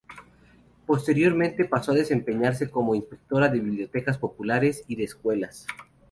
Posteriormente pasó a desempeñarse como inspectora de Bibliotecas Populares y de Escuelas.